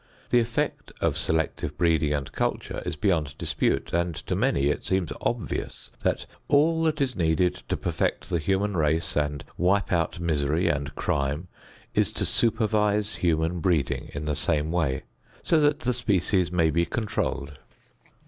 The effect of selective breeding and culture is beyond dispute, and to many it seems obvious that all that is needed to perfect the human race and wipe out misery and crime is to supervise human breeding in the same way, so that the species may be controlled.